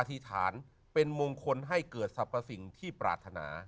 ธิษฐานเป็นมงคลให้เกิดสรรพสิ่งที่ปรารถนา